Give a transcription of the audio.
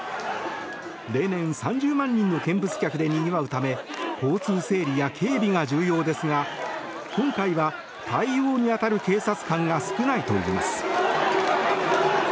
例年３０万人の見物客でにぎわうため交通整理や警備が重要ですが今回は対応に当たる警察官が少ないといいます。